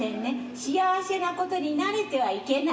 幸せなことに慣れてはいけない。